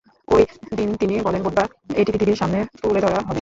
ওই দিন তিনি বলেন, বুধবার এটি পৃথিবীর সামনে তুলে ধরা হবে।